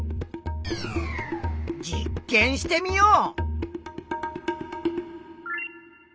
実験してみよう！